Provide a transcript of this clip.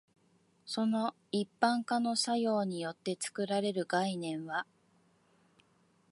その一般化の作用によって作られる概念は、